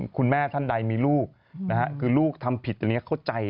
คุณแม่ท่านใดมีลูกคือลูกทำผิดอันนี้เข้าใจ